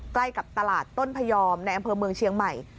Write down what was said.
ใกล้กับตลาดต้นพยอมในอำเภอเมืองเชียงใหม่